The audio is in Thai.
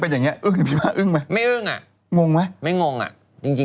กูเลยไม่รู้จะพูดอย่างไร